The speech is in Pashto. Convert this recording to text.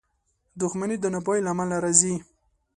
• دښمني د ناپوهۍ له امله راځي.